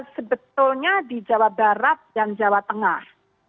sebetulnya di jawa barat dan jawa tengah